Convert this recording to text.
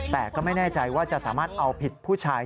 แต่ก็ไม่แน่ใจว่าจะสามารถเอาผิดผู้ชาย